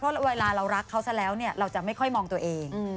เพราะเวลาเรารักเขาซะแล้วเราจะไม่ค่อยมองตัวเอง